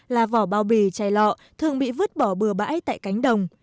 là vỏ bao bì chai lọ thường bị vứt bỏ bừa bãi tại cánh đồng